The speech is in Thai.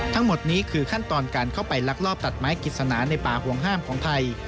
ทั้งหมดนี้คือขั้นตอนการเข้าไปลักลอบตัดไม้กิจสนาในป่าห่วงห้ามของไทย